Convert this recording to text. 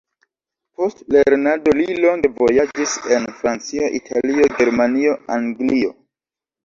Post lernado li longe vojaĝis en Francio, Italio, Germanio, Anglio.